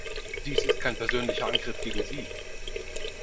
Dies ist kein persönlicher Angriff gegen Sie.